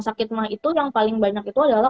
sakit mah itu yang paling banyak itu adalah